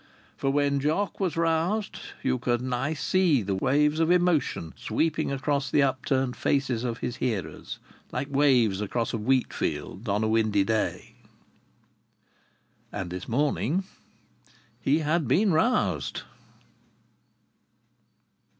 For when Jock was roused you could nigh see the waves of emotion sweeping across the upturned faces of his hearers like waves across a wheatfield on a windy day. And this morning he had been roused.